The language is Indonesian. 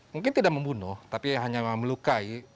mungkin tidak membunuh tapi hanya melukai